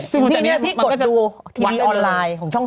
ซึ่งพี่กดดูทีวีออนไลน์ช่อง๓